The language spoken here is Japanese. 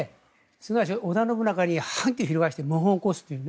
すなわち織田信長に反旗を翻して謀反を起こすという。